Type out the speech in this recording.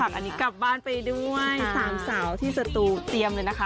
อันนี้กลับบ้านไปด้วยสามสาวที่สตูเตรียมเลยนะคะ